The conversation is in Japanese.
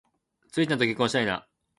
ツウィちゃんと結婚したいな